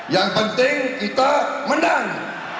yang penting kita menang